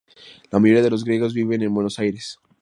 La mayoría de los griegos viven en Buenos Aires.